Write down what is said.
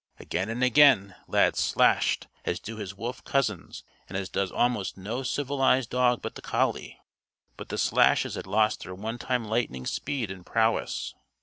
Again and again Lad "slashed" as do his wolf cousins and as does almost no civilized dog but the collie. But the slashes had lost their one time lightning speed and prowess.